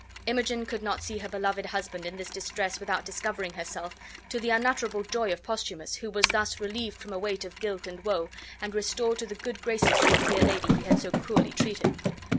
Imogen could not see her beloved husband in this distress without discovering herself, to the unutterable joy of Posthumus, who was thus relieved from a weight of guilt and woe, and restored to the good graces of the dear lady he had so cruelly treated.